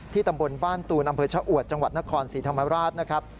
ตำบลบ้านตูนอำเภอชะอวดจังหวัดนครศรีธรรมราชนะครับ